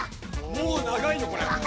もう長いのこれ。